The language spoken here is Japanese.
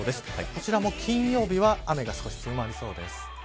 こちらも金曜日は雨が強まりそうです。